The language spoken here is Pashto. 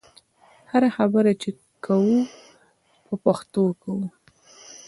هره خبره چې کوو دې په پښتو کوو.